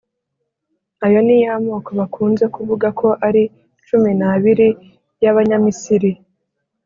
Ayo ni ya moko bakunze kuvuga ko ari cumi n’abiri y’abanyamisiri